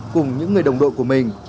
cùng những người đồng đội của mình